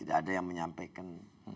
tidak ada yang menyampaikan